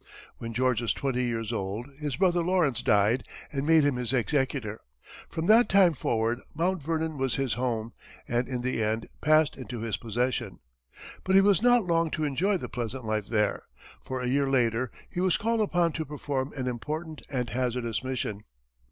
When George was twenty years old, his brother Lawrence died and made him his executor. From that time forward, Mount Vernon was his home, and in the end passed into his possession. But he was not long to enjoy the pleasant life there, for a year later, he was called upon to perform an important and hazardous mission.